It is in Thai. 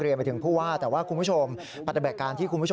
เรียนมาถึงผู้ว่าแต่ว่าคุณผู้ชมปรับแบบการที่คุณผู้ชม